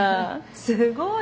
すごい。